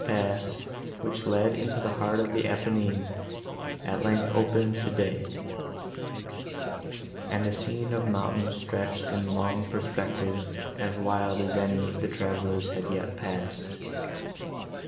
This pass, which led into the heart of the Apennine, at length opened to day, and a scene of mountains stretched in long perspective, as wild as any the travellers had yet passed.